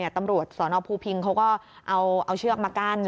ตำรวจสนภูพิงเขาก็เอาเชือกมากั้น